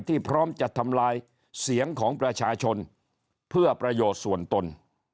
พร้อมจะทำลายเสียงของประชาชนเพื่อประโยชน์ส่วนตน